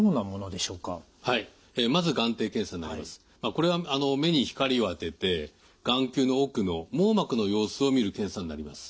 これは目に光を当てて眼球の奥の網膜の様子をみる検査になります。